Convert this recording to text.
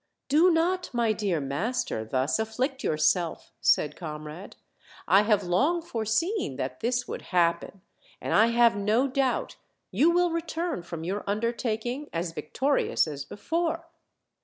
"Do not, my dear master, thus afflict yourself," said Comrade. "I have long foreseen that this would happen, and I have no doubt you will return from your undertaking as vic torious as before.